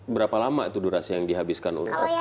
berapa lama itu durasi yang dihabiskan untuk